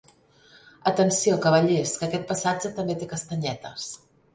Atenció, cavallers, que aquest passatge també té castanyetes.